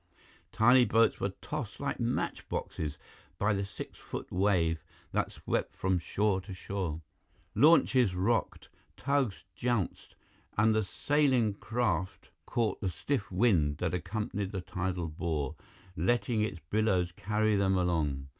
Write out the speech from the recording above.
Tiny boats were tossed like match boxes by the six foot wave that swept from shore to shore. Launches rocked, tugs jounced, and the sailing craft caught the stiff wind that accompanied the tidal bore, letting its billows carry them along.